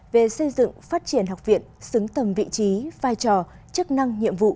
về xây dựng phát triển học viện xứng tầm vị trí vai trò chức năng nhiệm vụ